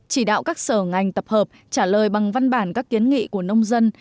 chỉ đạo các sở ngành tập hợp trả lời bằng văn bản các kiến nghị của nông dân